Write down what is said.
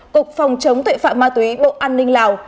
cục phòng chống tội phạm ma túy bộ an ninh lào